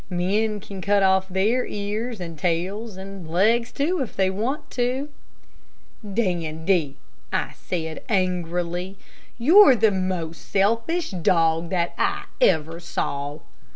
Men can cut off their ears, and tails, and legs, too, if they want to." "Dandy," I said, angrily, "you're the most selfish dog that I ever saw."